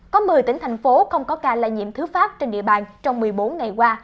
có một mươi tỉnh thành phố không có ca lây nhiễm thứ phát trên địa bàn trong một mươi bốn ngày qua